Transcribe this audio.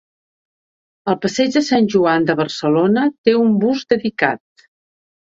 Al passeig de Sant Joan de Barcelona té un bust dedicat.